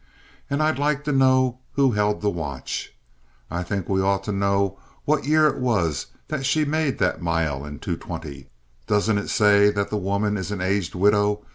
And I'd like to know who held the watch. I think we ought to know what year it was that she made that mile in 2:20. Doesn't it say that the woman is an aged widow?